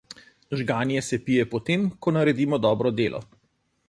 Žganje se pije po tem, ko naredimo dobro delo.